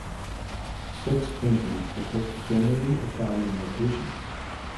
The six paintings depict generally Italian locations.